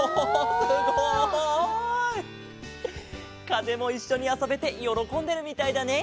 かぜもいっしょにあそべてよろこんでるみたいだね！